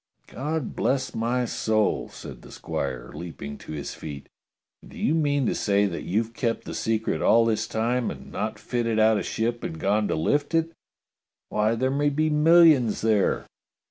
"God bless my soul!" said the squire, leaping to his feet; "and do you mean to say that you've kept the secret all this time and not fitted out a ship and gone to lift it? Why, there may be millions there